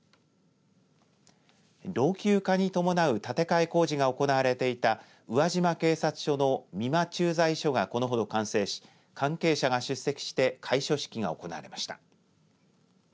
老朽化に伴う建て替え工事が行われていた宇和島警察署の三間駐在所がこのほど完成し関係者が出席して開所式が行われました。